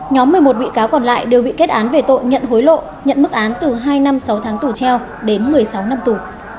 nhóm một mươi một bị cáo còn lại đều bị kết án về tội nhận hối lộ nhận mức án từ hai năm sáu tháng tù treo đến một mươi sáu năm tù